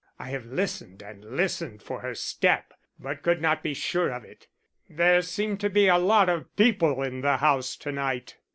I have listened and listened for her step, but could not be sure of it. There seem to be a lot of people in the house to night."